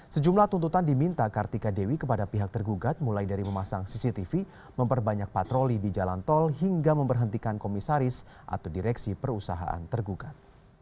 sejumlah tuntutan diminta kartika dewi kepada pihak tergugat mulai dari memasang cctv memperbanyak patroli di jalan tol hingga memberhentikan komisaris atau direksi perusahaan tergugat